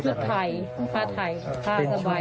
ไทยผ้าไทยผ้าสบาย